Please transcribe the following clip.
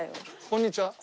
こんにちは。